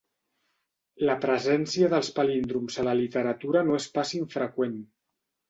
La presència dels palíndroms a la literatura no és pas infreqüent.